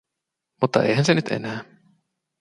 Mutta eihän se nyt enää.